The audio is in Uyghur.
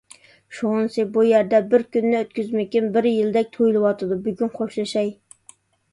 شۇغىنىسى بۇ يەردە بىر كۈننى ئۆتكۈزمىكىم بىر يىلدەك تۇيۇلۇۋاتىدۇ، بۈگۈن خوشلىشاي.